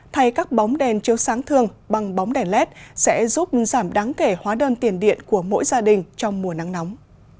thay các bóng đèn chiếu sáng thường bằng bóng đèn led sẽ giúp giảm đáng kể hóa đơn tiền điện của mỗi gia đình trong mùa nắng nóng